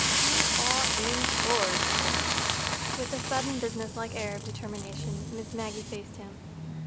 "You are incorrigible!" With a sudden businesslike air of determination Miss Maggie faced him.